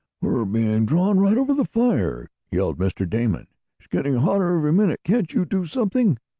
"We're being drawn right over the fire!" yelled Mr. Damon. "It's getting hotter every minute! Can't you do something?"